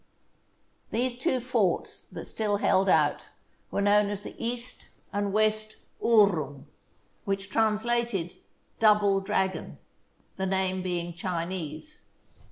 These two forts that still held out were known as the East and West Uhrlung, which is translated " Double dragon," the name being Chinese.